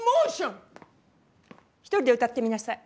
一人で歌ってみなさい。